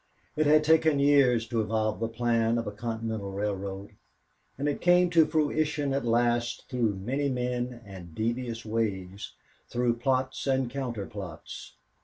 It had taken years to evolve the plan of a continental railroad, and it came to fruition at last through many men and devious ways, through plots and counterplots.